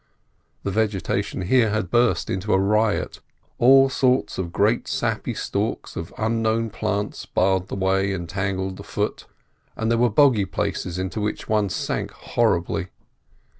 The vegetation here had burst into a riot. All sorts of great sappy stalks of unknown plants barred the way and tangled the foot; and there were boggy places into which one sank horribly.